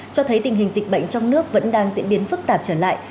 cho thấy tình hình dịch bệnh trong nước vẫn đang diễn biến phức tạp trở lại